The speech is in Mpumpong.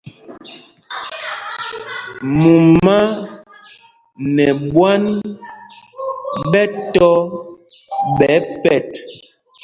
Mumá nɛ ɓwân ɓɛ tɔ́ ɓɛ pɛt.